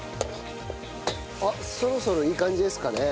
あっそろそろいい感じですかね？